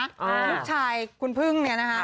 ลูกชายคุณพึ่งเนี่ยนะคะ